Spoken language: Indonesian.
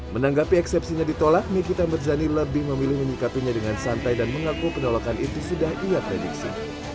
menanggapi eksepsinya ditolak nikita mirzani lebih memilih menyikapinya dengan santai dan mengaku penolakan itu sudah ia prediksi